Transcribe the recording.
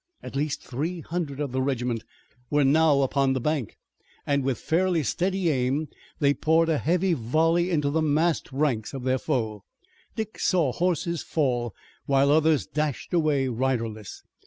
At least three hundred of the regiment were now upon the bank, and, with fairly steady aim, they poured a heavy volley into the massed ranks of their foe. Dick saw horses fall while others dashed away riderless.